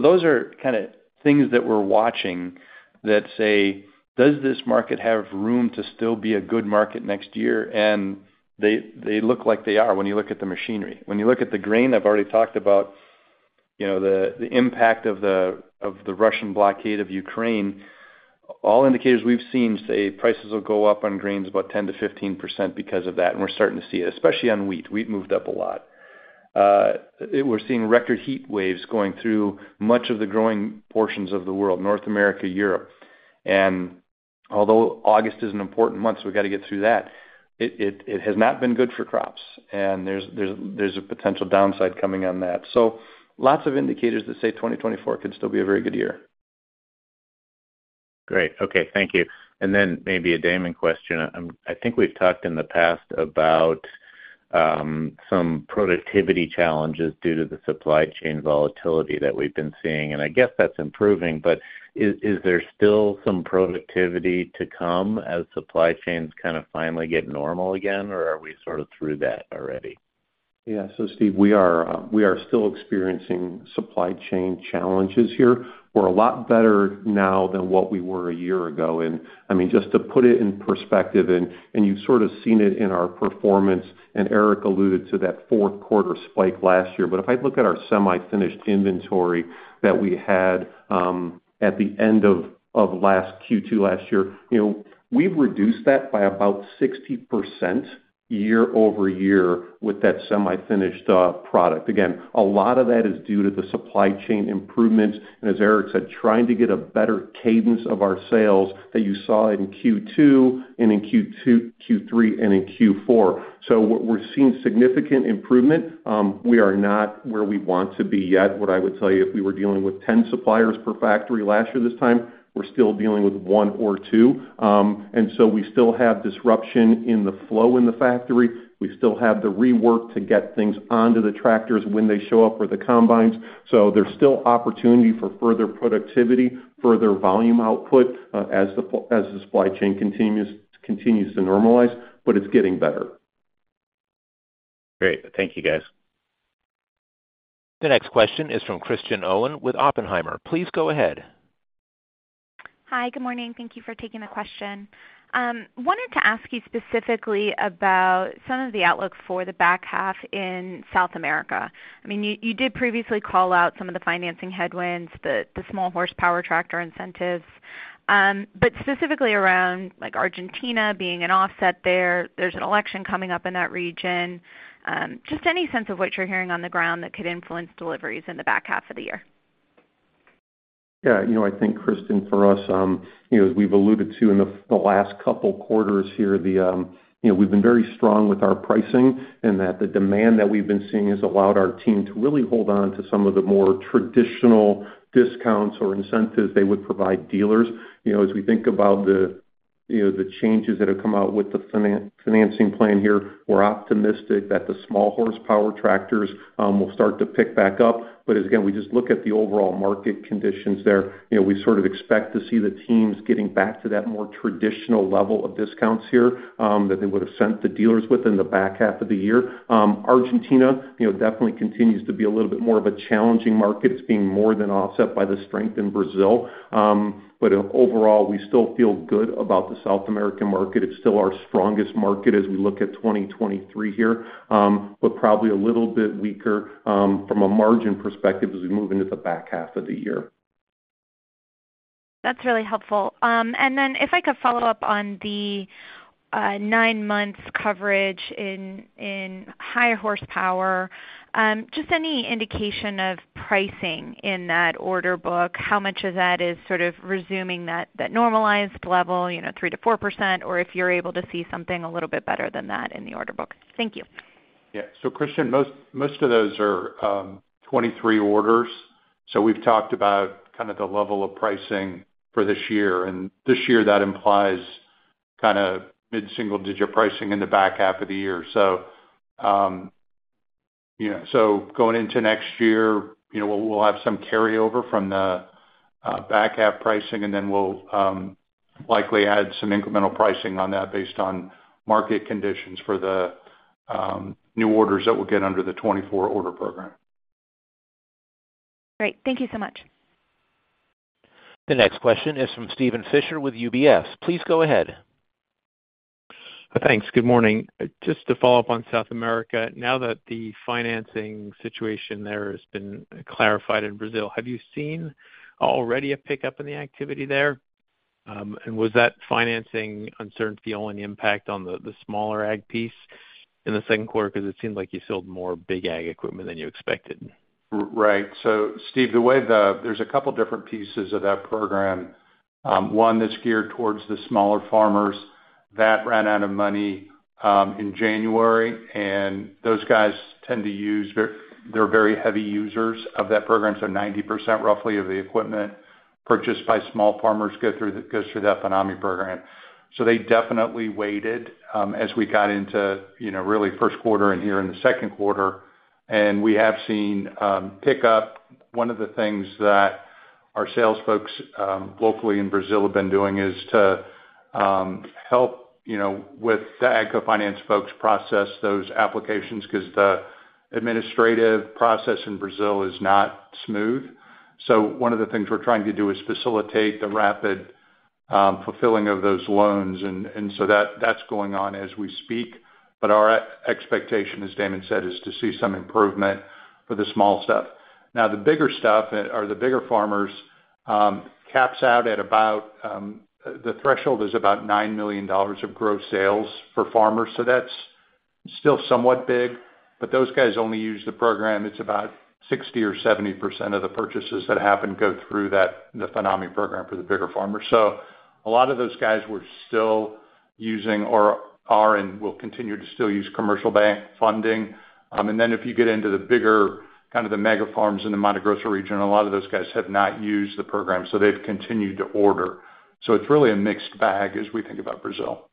Those are kind of things that we're watching that say, does this market have room to still be a good market next year? They look like they are when you look at the machinery. When you look at the grain, I've already talked about, you know, the impact of the Russian blockade of Ukraine. All indicators we've seen say prices will go up on grains about 10%-15% because of that, and we're starting to see it, especially on wheat. Wheat moved up a lot. We're seeing record heat waves going through much of the growing portions of the world, North America, Europe. Although August is an important month, so we've got to get through that, it has not been good for crops, and there's a potential downside coming on that. Lots of indicators that say 2024 could still be a very good year. Great. Okay, thank you. Maybe a Damon question. I think we've talked in the past about some productivity challenges due to the supply chain volatility that we've been seeing, and I guess that's improving. Is there still some productivity to come as supply chains kind of finally get normal again, or are we sort of through that already? Yeah. Steve, we are still experiencing supply chain challenges here. We're a lot better now than what we were a year ago. I mean, just to put it in perspective, and you've sort of seen it in our performance, and Eric alluded to that fourth quarter spike last year. If I look at our semi-finished inventory that we had at the end of last Q2 last year, you know, we've reduced that by about 60% year-over-year with that semi-finished product. Again, a lot of that is due to the supply chain improvements, and as Eric said, trying to get a better cadence of our sales that you saw in Q2 and in Q3 and in Q4. What we're seeing, significant improvement. We are not where we want to be yet. What I would tell you, if we were dealing with 10 suppliers per factory last year, this time, we're still dealing with one or two. We still have disruption in the flow in the factory. We still have the rework to get things onto the tractors when they show up, or the combines. There's still opportunity for further productivity, further volume output, as the supply chain continues to normalize, but it's getting better. Great. Thank you, guys. The next question is from Kristen Owen with Oppenheimer. Please go ahead. Hi, good morning. Thank you for taking the question. Wanted to ask you specifically about some of the outlook for the back half in South America. I mean, you did previously call out some of the financing headwinds, the small horsepower tractor incentives. Specifically around, like Argentina being an offset there, there's an election coming up in that region. Just any sense of what you're hearing on the ground that could influence deliveries in the back half of the year? You know, I think, Kristen, for us, you know, as we've alluded to in the last couple quarters here, the, you know, we've been very strong with our pricing and that the demand that we've been seeing has allowed our team to really hold on to some of the more traditional discounts or incentives they would provide dealers. You know, as we think about You know, the changes that have come out with the financing plan here, we're optimistic that the small horsepower tractors will start to pick back up. Again, we just look at the overall market conditions there. You know, we sort of expect to see the teams getting back to that more traditional level of discounts here, that they would have sent the dealers with in the back half of the year. Argentina, you know, definitely continues to be a little bit more of a challenging market. It's being more than offset by the strength in Brazil. Overall, we still feel good about the South American market. It's still our strongest market as we look at 2023 here, probably a little bit weaker from a margin perspective as we move into the back half of the year. That's really helpful. If I could follow up on the 9-month coverage in higher horsepower, just any indication of pricing in that order book? How much of that is sort of resuming that, that normalized level, you know, 3%-4%, or if you're able to see something a little bit better than that in the order book? Thank you. Yeah. Kristen, most of those are 2023 orders. We've talked about kind of the level of pricing for this year, and this year, that implies kind of mid-single-digit pricing in the back half of the year. You know, going into next year, you know, we'll have some carryover from the back half pricing, and then we'll likely add some incremental pricing on that based on market conditions for the new orders that we'll get under the 2024 order program. Great. Thank you so much. The next question is from Steven Fisher with UBS. Please go ahead. Thanks. Good morning. Just to follow up on South America, now that the financing situation there has been clarified in Brazil, have you seen already a pickup in the activity there? Was that financing uncertainty the only impact on the smaller Ag piece in the second quarter? Because it seemed like you sold more big Ag equipment than you expected. Right. Steve, the way the... There's a couple different pieces of that program. One that's geared towards the smaller farmers, that ran out of money in January, and those guys tend to use. They're very heavy users of that program. 90% roughly of the equipment purchased by small farmers goes through that FINAME program. They definitely waited, as we got into, you know, really first quarter and here in the second quarter, and we have seen pick up. One of the things that our sales folks locally in Brazil have been doing is to help, you know, with the AGCO Finance folks process those applications, because the administrative process in Brazil is not smooth. One of the things we're trying to do is facilitate the rapid fulfilling of those loans, that's going on as we speak. Our expectation, as Damon said, is to see some improvement for the small stuff. The bigger stuff, or the bigger farmers, caps out at about the threshold is about $9 million of gross sales for farmers, so that's still somewhat big, but those guys only use the program. It's about 60% or 70% of the purchases that happen go through that, the FINAME program for the bigger farmers. A lot of those guys were still using or are and will continue to still use commercial bank funding. If you get into the bigger, kind of the mega farms in the Mato Grosso region, a lot of those guys have not used the program, so they've continued to order. It's really a mixed bag as we think about Brazil.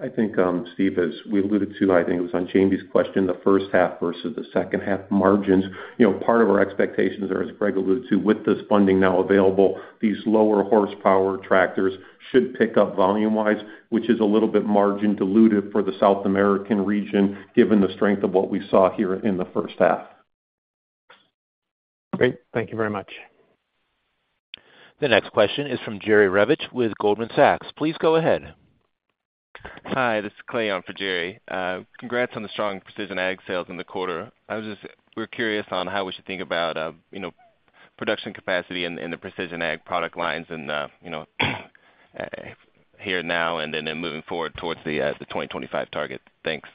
I think, Steve, as we alluded to, I think it was on Jamie's question, the first half versus the second half margins. You know, part of our expectations are, as Greg alluded to, with this funding now available, these lower horsepower tractors should pick up volume-wise, which is a little bit margin diluted for the South American region, given the strength of what we saw here in the first half. Great. Thank you very much. The next question is from Jerry Revich with Goldman Sachs. Please go ahead. Hi, this is Clay on for Jerry. Congrats on the strong Precision Ag sales in the quarter. We're curious on how we should think about, you know, production capacity in the Precision Ag product lines and, you know, here now and then moving forward towards the 2025 target. Thanks.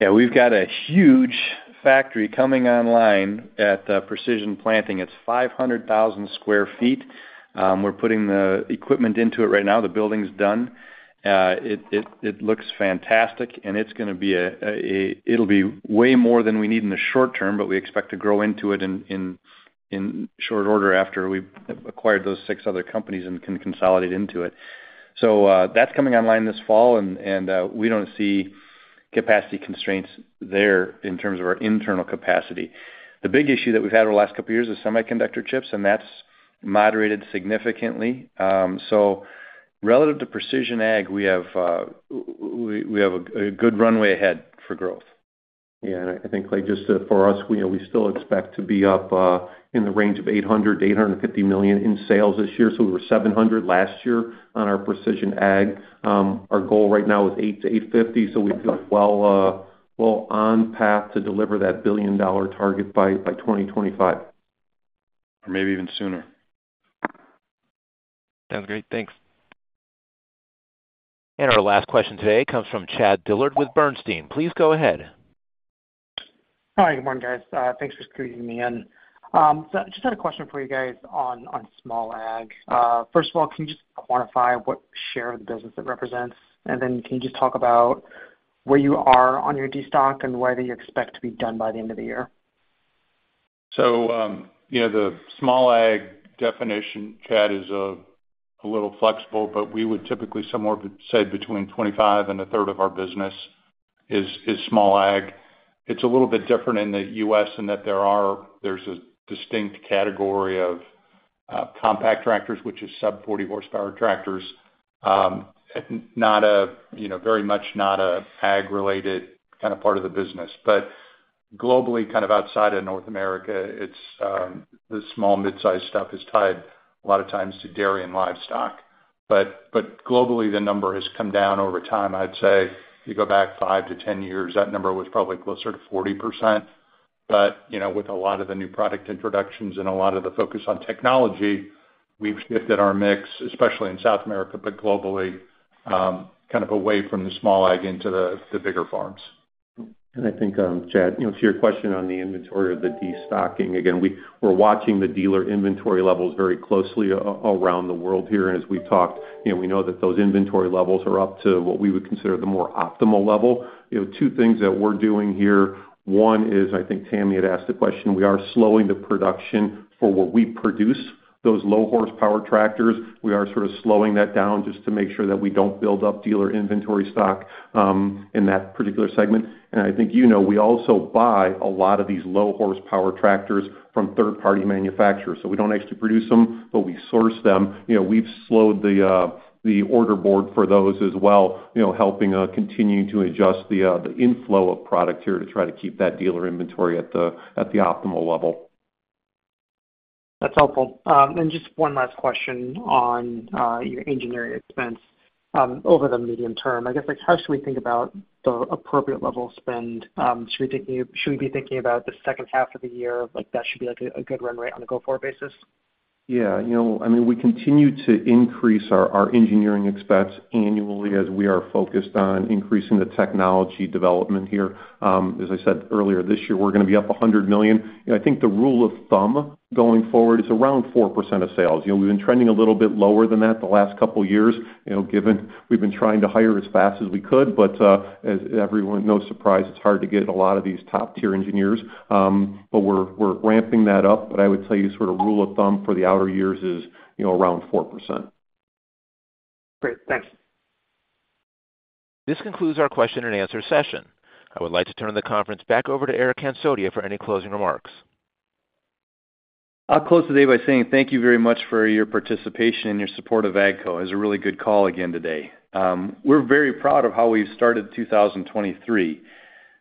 We've got a huge factory coming online at Precision Planting. It's 500,000 sq ft. We're putting the equipment into it right now. The building's done. It looks fantastic, and it'll be way more than we need in the short term, but we expect to grow into it in short order after we've acquired those 6 other companies and can consolidate into it. That's coming online this fall, and we don't see capacity constraints there in terms of our internal capacity. The big issue that we've had over the last couple of years is semiconductor chips, and that's moderated significantly. Relative to Precision Ag, we have a good runway ahead for growth. I think, like, just, for us, you know, we still expect to be up in the range of $800 million-$850 million in sales this year. We were $700 million last year on our Precision Ag. Our goal right now is $800 million-$850 million, we feel well on path to deliver that billion-dollar target by 2025. Maybe even sooner. Sounds great. Thanks. Our last question today comes from Chad Dillard with Bernstein. Please go ahead. Hi, good morning, guys. thanks for squeezing me in. I just had a question for you guys on, on small ag. first of all, can you just quantify what share of the business it represents? can you just talk about where you are on your destock and whether you expect to be done by the end of the year? You know, the small Ag definition, Chad, is a little flexible, but we would typically somewhere say between 25 and a third of our business is small ag. It's a little bit different in the U.S., in that there's a distinct category of compact tractors, which is sub 40 horsepower tractors. Not a, you know, very much not a ag-related kind of part of the business. Globally, kind of outside of North America, it's the small mid-size stuff is tied a lot of times to dairy and livestock. Globally, the number has come down over time. I'd say if you go back 5-10 years, that number was probably closer to 40%. You know, with a lot of the new product introductions and a lot of the focus on technology, we've shifted our mix, especially in South America, but globally, kind of away from the small Ag into the, the bigger farms. I think, Chad, you know, to your question on the inventory of the destocking, again, we're watching the dealer inventory levels very closely around the world here. As we've talked, you know, we know that those inventory levels are up to what we would consider the more optimal level. You know, two things that we're doing here. One is, I think Tami had asked the question, we are slowing the production for what we produce, those low horsepower tractors. We are sort of slowing that down just to make sure that we don't build up dealer inventory stock in that particular segment. I think you know, we also buy a lot of these low horsepower tractors from third-party manufacturers. We don't actually produce them, but we source them. You know, we've slowed the, the order board for those as well, you know, helping, continuing to adjust the, the inflow of product here to try to keep that dealer inventory at the, at the optimal level. That's helpful. Just one last question on your engineering expense over the medium term. I guess, like, how should we think about the appropriate level of spend? Should we be thinking about the second half of the year, like, that should be a good run rate on a go-forward basis? Yeah, you know, I mean, we continue to increase our engineering expense annually as we are focused on increasing the technology development here. As I said earlier, this year, we're gonna be up $100 million. You know, I think the rule of thumb going forward is around 4% of sales. You know, we've been trending a little bit lower than that the last couple of years, you know, given we've been trying to hire as fast as we could. As everyone, no surprise, it's hard to get a lot of these top-tier engineers. We're ramping that up. I would tell you sort of rule of thumb for the outer years is, you know, around 4%. Great. Thanks. This concludes our question and answer session. I would like to turn the conference back over to Eric Hansotia for any closing remarks. I'll close today by saying thank you very much for your participation and your support of AGCO. It was a really good call again today. We're very proud of how we've started 2023.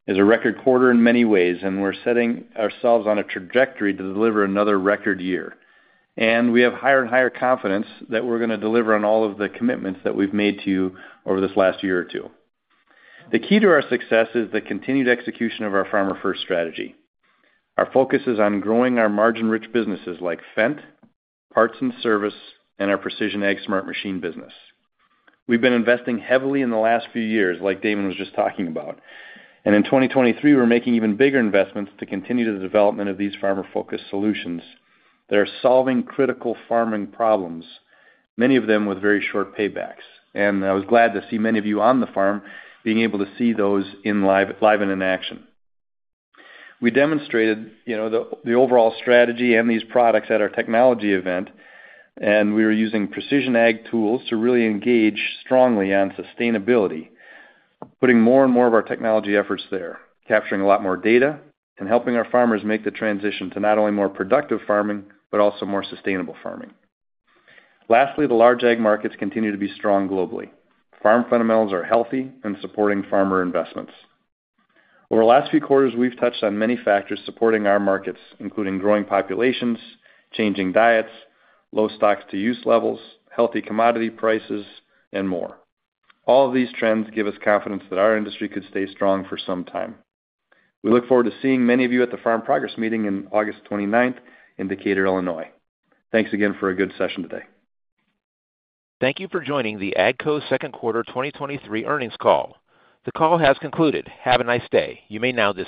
It's a record quarter in many ways. We're setting ourselves on a trajectory to deliver another record year. We have higher and higher confidence that we're gonna deliver on all of the commitments that we've made to you over this last year or two. The key to our success is the continued execution of our Farmer-First strategy. Our focus is on growing our margin-rich businesses like Fendt, Parts and Service, and our Precision Ag Smart Machine business. We've been investing heavily in the last few years, like Damon was just talking about. In 2023, we're making even bigger investments to continue the development of these farmer-focused solutions that are solving critical farming problems, many of them with very short paybacks. I was glad to see many of you on the farm being able to see those in live and in action. We demonstrated, you know, the overall strategy and these products at our technology event, and we were using Precision Ag tools to really engage strongly on sustainability, putting more and more of our technology efforts there, capturing a lot more data, and helping our farmers make the transition to not only more productive farming, but also more sustainable farming. Lastly, the large Ag markets continue to be strong globally. Farm fundamentals are healthy and supporting farmer investments. Over the last few quarters, we've touched on many factors supporting our markets, including growing populations, changing diets, low stocks to use levels, healthy commodity prices, and more. All of these trends give us confidence that our industry could stay strong for some time. We look forward to seeing many of you at the Farm Progress Meeting in August twenty-ninth in Decatur, Illinois. Thanks again for a good session today. Thank you for joining the AGCO Second Quarter 2023 Earnings Call. The call has concluded. Have a nice day. You may now disconnect.